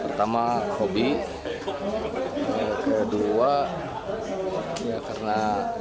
pertama hobi kedua ya karena